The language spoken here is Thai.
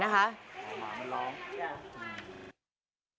อ๋อหมามันร้อง